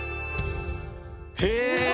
へえ。